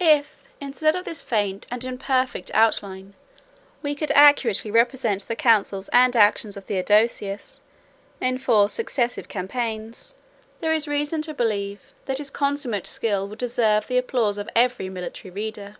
If, instead of this faint and imperfect outline, we could accurately represent the counsels and actions of Theodosius, in four successive campaigns, there is reason to believe, that his consummate skill would deserve the applause of every military reader.